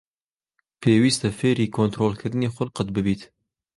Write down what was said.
پێویستە فێری کۆنتڕۆڵکردنی خوڵقت ببیت.